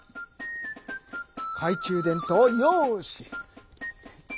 懐中電灯よし！